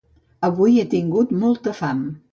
Avui he tingut molta fam.